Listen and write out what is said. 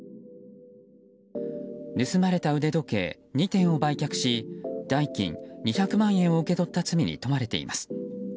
盗まれた腕時計２点を売却し代金２００万円を受け取った罪に問われています。